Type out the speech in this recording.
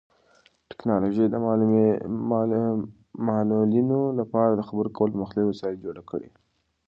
ټیکنالوژي د معلولینو لپاره د خبرو کولو پرمختللي وسایل جوړ کړي دي.